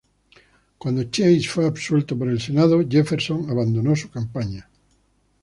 Cuando Chase fue absuelto por el Senado, Jefferson abandonó su campaña.